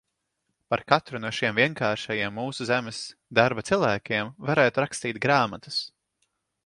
Par katru no šiem vienkāršajiem mūsu zemes darba cilvēkiem varētu rakstīt grāmatas.